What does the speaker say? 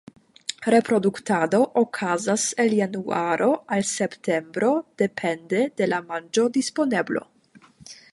Reproduktado okazas el januaro al septembro depende de la manĝodisponeblo.